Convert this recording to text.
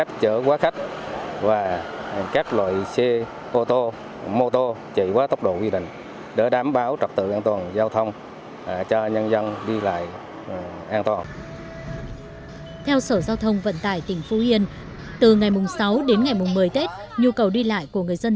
theo sở giao thông vận tải tỉnh phú yên từ ngày sáu đến ngày một mươi tết nhu cầu đi lại của người dân